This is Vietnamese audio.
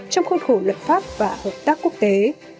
trong khuôn khổ luật pháp và hợp tác quốc tế